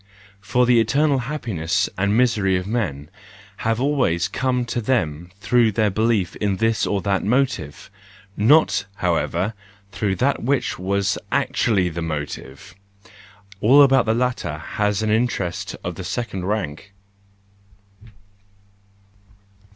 For the internal happiness and misery of men have always come to them through their belief in this or that motive ,—not however, through that which was actually the motive! All about the latter has an interest of secondary rank.